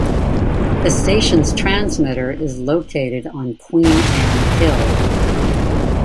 The station's transmitter is located on Queen Anne Hill.